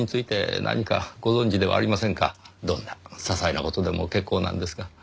どんな些細な事でも結構なんですが。